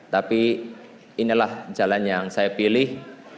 tapi inilah jalan yang saya pilih